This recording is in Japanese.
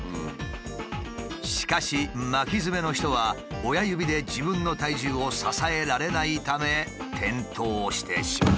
しかし巻きヅメの人は親指で自分の体重を支えられないため転倒してしまう。